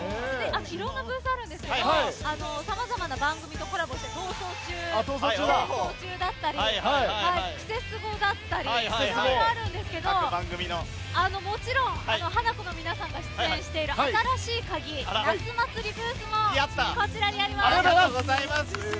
いろんなブースがあるんですけど様々な番組とコラボして「逃走中」だったりとか「クセスゴ」だったり色々あるんですがもちろん、ハナコの皆さんが出演している「新しいカギ」夏祭りブースもこちらにあります。